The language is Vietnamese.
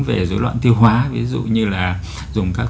về dối loạn tiêu hóa ví dụ như là dùng các